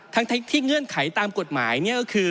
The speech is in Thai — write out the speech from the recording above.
ทั้งที่เงื่อนไขตามกฎหมายเนี่ยก็คือ